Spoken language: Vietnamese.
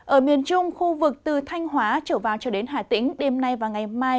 ở miền trung khu vực từ thanh hóa trở vào cho đến hà tĩnh đêm nay và ngày mai